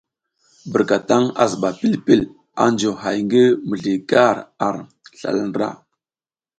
Birkataŋ a zuba pil pil a juyo hay ngi mizli gar ar slala ndra.